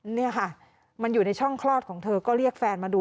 นี่ค่ะมันอยู่ในช่องคลอดของเธอก็เรียกแฟนมาดู